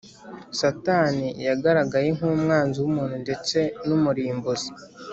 satani yagaragaye nk’umwanzi w’umuntu ndetse n’umurimbuzi;